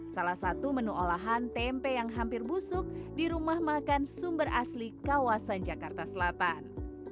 salah satu menu olahan tempe yang hampir busuk di rumah makan sumber asli kawasan jakarta selatan